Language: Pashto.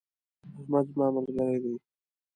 احمد زما ملګری دی.